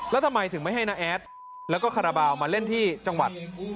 แล้วทำไมถึงไม่ให้น้าแอดแล้วก็คาราบาลมาเล่นที่จังหวัด